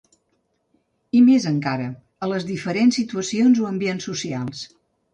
I, més encara, a les diferents situacions o ambients socials.